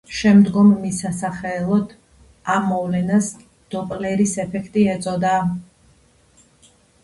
შემდგომ მის სასახელოდ ამ მოვლენას დოპლერის ეფექტი ეწოდა.